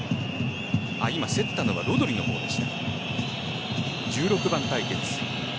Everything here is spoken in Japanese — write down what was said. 今、競ったのはロドリの方でした。